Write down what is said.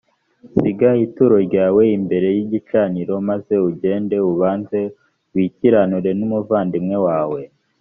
siga ituro ryawe imbere y igicaniro maze ugende ubanze wikiranure n umuvandimwe wawe